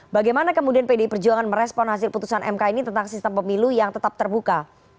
bagaimana kemudian pdi perjuangan merespon hasil putusan mk ini tentang sistem pemilu yang tetap terbuka